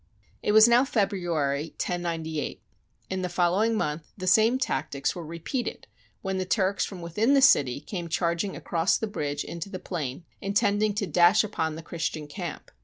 It was now February, 1098. In the following month the same tactics were repeated when the Turks from within the city came charging across the bridge into the plain, intending to dash upon the Christian camp.